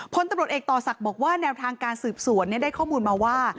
พลตำรวจเอกต่อศักดิ์บอกว่าแนวทางการสืบสวนได้ข้อมูลมาว่า